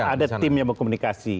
ada tim yang berkomunikasi